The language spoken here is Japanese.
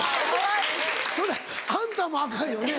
それあんたもアカンよね。